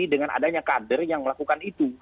dengan adanya kader yang melakukan itu